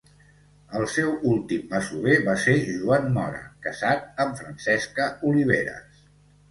El seu últim masover va ser Joan Mora casat amb Francesca Oliveres.